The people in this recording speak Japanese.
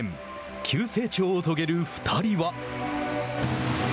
急成長を遂げる２人は。